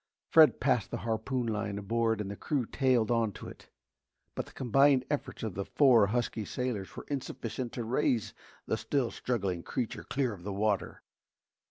Fred passed the harpoon line aboard and the crew tailed on to it. But the combined efforts of the four husky sailors were insufficient to raise the still struggling creature clear of the water.